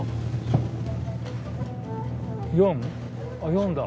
４だ。